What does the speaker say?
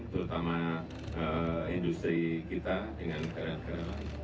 terutama industri kita dengan negara negara lain